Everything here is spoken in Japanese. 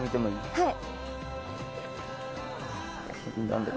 はい。